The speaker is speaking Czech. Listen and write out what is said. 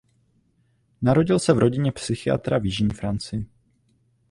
Narodil se v rodině psychiatra v jižní Francii.